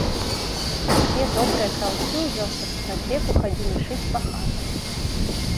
Усе добрыя краўцы ў вёсках спрадвеку хадзілі шыць па хатах.